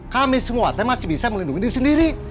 kami semua tapi masih bisa melindungi diri sendiri